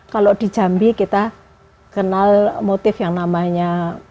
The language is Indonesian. kalau di jambi kita kenal motif yang namanya